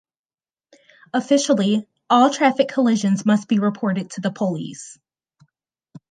Officially, all traffic collisions must be reported to the police.